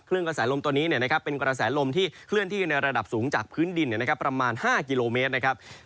กระแสลมตัวนี้เป็นกระแสลมที่เคลื่อนที่ในระดับสูงจากพื้นดินประมาณ๕กิโลเมตรนะครับ